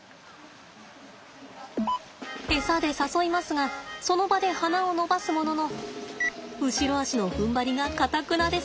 エサで誘いますがその場で鼻を伸ばすものの後ろ肢のふんばりがかたくなです。